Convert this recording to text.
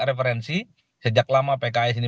referensi sejak lama pks ini